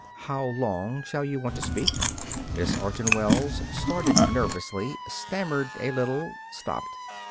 How long shall you want to speak?" Miss Orton Wells started nervously, stammered a little, stopped.